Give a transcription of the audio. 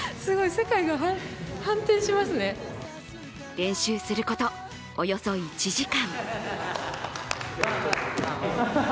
練習すること、およそ１時間。